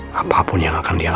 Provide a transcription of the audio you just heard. gue gak kenal